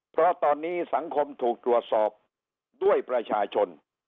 เพราะตอนนี้สังคมถูกตรวจสอบด้วยประชาชน